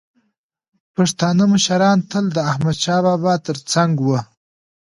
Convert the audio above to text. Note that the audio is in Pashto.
پښتانه مشران تل د احمدشاه بابا تر څنګ وو.